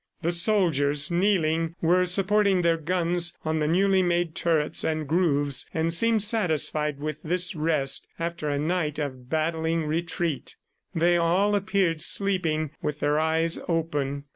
The soldiers, kneeling, were supporting their guns on the newly made turrets and grooves, and seemed satisfied with this rest after a night of battling retreat. They all appeared sleeping with their eyes open.